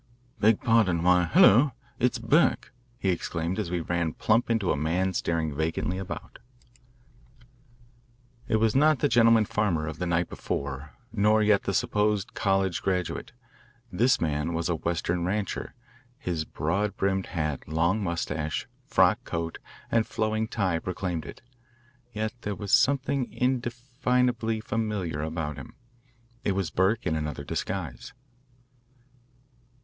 "Beg pardon why, hulloa it's Burke," he exclaimed as we ran plump into a man staring vacantly about. It was not the gentleman farmer of the night before, nor yet the supposed college graduate. This man was a Western rancher; his broad brimmed hat, long moustache, frock coat, and flowing tie proclaimed it. Yet there was something indefinably familiar about him, too. It was Burke in another disguise.